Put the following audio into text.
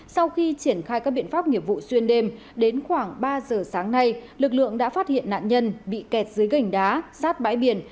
sau khi triển khai các biện pháp nghiệp vụ xuyên đêm đến khoảng ba giờ sáng nay lực lượng đã phát hiện nạn nhân bị kẹt dưới gành đá sát bãi biển